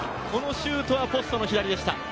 このシュートはポストの左でした。